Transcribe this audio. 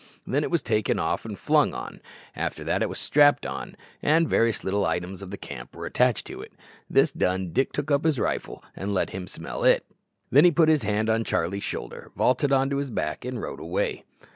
Then it was taken off and flung on; after that it was strapped on, and the various little items of the camp were attached to it. This done, Dick took up his rifle and let him smell it; then he put his hand on Charlie's shoulder, vaulted on to his back, and rode away.